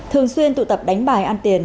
thường xuyên tụ tập đánh bài ăn tiền